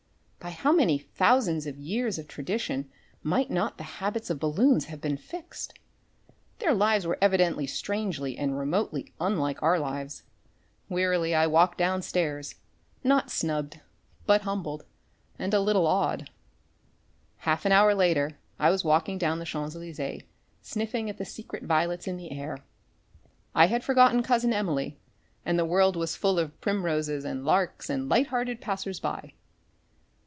By how many thousands of years of tradition might not the habits of balloons have been fixed? Their lives were evidently strangely and remotely unlike our lives. Wearily I walked downstairs, not snubbed but humbled and a little awed. Half an hour later I was walking down the Champ Elysées sniffing at the secret violets in the air. I had forgotten Cousin Emily and the world was full of primroses and larks and light hearted passers by.